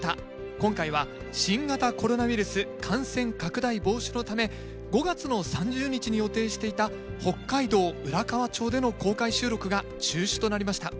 今回は新型コロナウイルス感染拡大防止のため５月の３０日に予定していた北海道浦河町での公開収録が中止となりました。